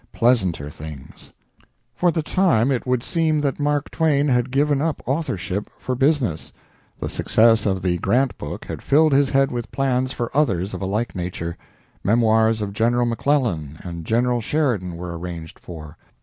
PLEASANTER THINGS For the time it would seem that Mark Twain had given up authorship for business. The success of the Grant book had filled his head with plans for others of a like nature. The memoirs of General McClellan and General Sheridan were arranged for.